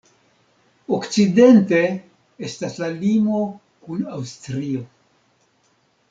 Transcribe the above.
Okcidente estas la limo kun Aŭstrio.